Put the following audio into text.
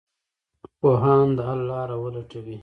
پوهان د حل لاره ولټوي.